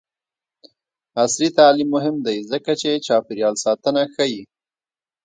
عصري تعلیم مهم دی ځکه چې چاپیریال ساتنه ښيي.